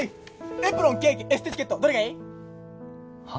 エプロンケーキエステチケットどれがいい？は？